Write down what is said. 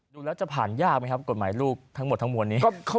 ดูแล้วจะผ่านยากไหมครับกฎหมายลูกทั้งหมดทั้งมวลนี้